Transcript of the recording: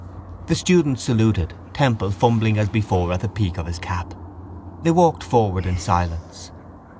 The students saluted, Temple fumbling as before at the peak of his cap. They walked forward in silence.